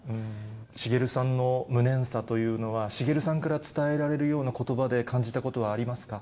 滋さんの無念さというのは、滋さんから伝えられるようなことばで感じたことはありますか？